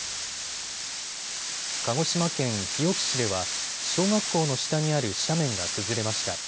鹿児島県日置市では小学校の下にある斜面が崩れました。